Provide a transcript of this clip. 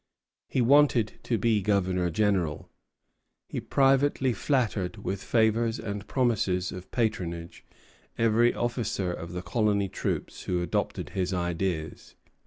He wanted to be Governor General. He privately flattered with favors and promises of patronage every officer of the colony troops who adopted his ideas.